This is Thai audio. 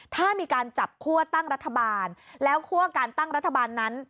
ถ้ามีการจับคั่วตั้งรัฐบาลแล้วคั่วการตั้งรัฐบาลนั้น